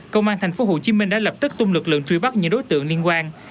công an thành phố hồ chí minh đã lập tức tung lực lượng truy bắt những đối tượng liên quan